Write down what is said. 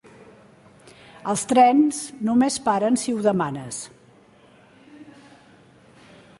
Els trens només paren si ho demanes.